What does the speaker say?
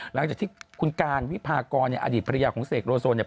หลังจากที่คุณการวิพากรเนี่ยอดีตภรรยาของเสกโลโซเนี่ย